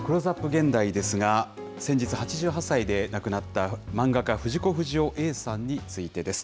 現代ですが、先日、８８歳で亡くなった漫画家、藤子不二雄Ａさんについてです。